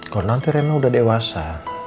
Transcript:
kalau nanti rena udah dewasa